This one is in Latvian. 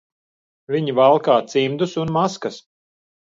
Viņi valkā cimdus un maskas.